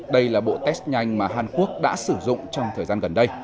đây là bộ test nhanh mà hàn quốc đã sử dụng trong thời gian gần đây